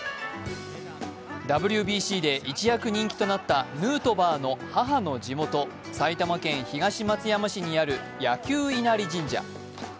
ＷＢＣで一躍人気となったヌートバーの母の地元、埼玉県東松山市にある箭弓稲荷神社。